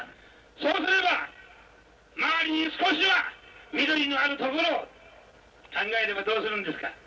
そうすれば周りに少しは緑のある所を考えればどうするんですか。